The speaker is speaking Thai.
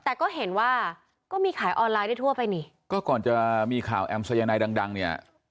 แต่ก็เห็นว่าก็มีขายออนไลน์ได้ทั่วไปนี่ก็ก่อนจะมีข่าวแอมสายนายดังดังเนี่ย